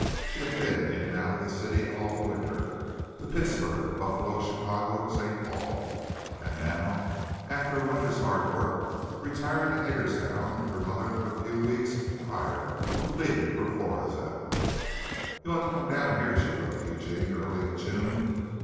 She had been in and out of the city all the winter to Pittsburgh, Buffalo, Chicago, St. Paul and now after a winter's hard work retired to Hagerstown with her mother for a few weeks prior to leaving for Florizel. "You ought to come down here," she wrote to Eugene early in June.